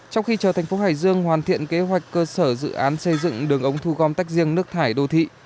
trong khi chờ thành phố hải dương hoàn thiện kế hoạch cơ sở dự án xây dựng đường ống thu gom tách riêng nước thải đô thị